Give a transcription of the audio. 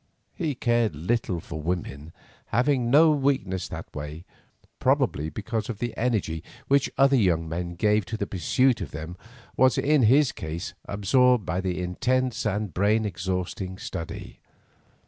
He cared little for women, having no weakness that way, probably because the energy which other young men gave to the pursuit of them was in his case absorbed by intense and brain exhausting study.